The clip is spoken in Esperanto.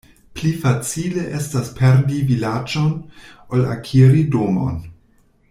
Pli facile estas perdi vilaĝon, ol akiri domon.